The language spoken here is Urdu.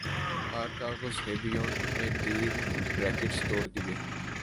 ہارکاغصہبیئونٹ نے تین ریکٹس توڑ دیئے